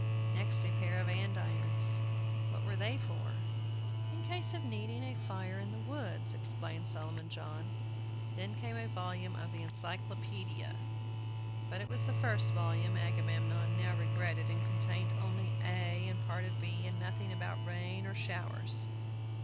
Next, a pair of andirons. "What were they for?" "In case of needing a fire in the woods," explained Solomon John. Then came a volume of the Encyclopædia. But it was the first volume, Agamemnon now regretted, and contained only A and a part of B, and nothing about rain or showers.